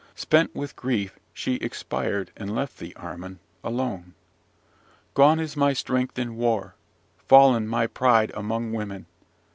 Spent with grief, she expired, and left thee, Armin, alone. Gone is my strength in war, fallen my pride among women.